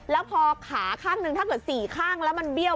แล้วพอขาข้างหนึ่งถ้าเกิด๔ข้างแล้วมันเบี้ยว